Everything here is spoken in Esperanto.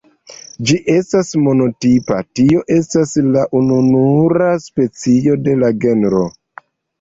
Ĝi estas monotipa, tio estas la ununura specio de la genro.